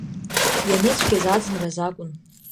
Ианыцәгьаз аӡынраз акәын.